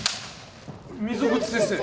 溝口先生！